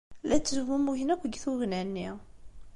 La ttezmumugen akk deg tugna-nni.